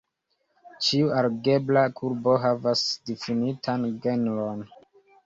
Ĉiu algebra kurbo havas difinitan genron.